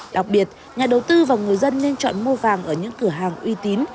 đặc biệt nhà đầu tư và người dân nên chọn mua vàng ở những cửa hàng uy tín